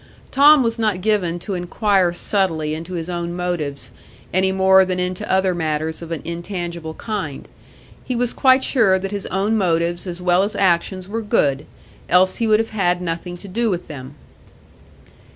Tom was not given to inquire subtly into his own motives any more than into other matters of an intangible kind; he was quite sure that his own motives as well as actions were good, else he would have had nothing to do with them.